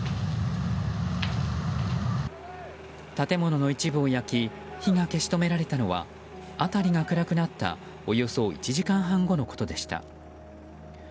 建物の一部を焼き火が消し止められたのは辺りが暗くなったおよそ１時間半後のことでした。